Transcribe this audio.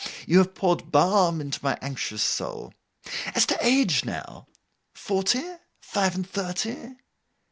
You have poured balm into my anxious soul. As to age, now. Forty? Five and thirty?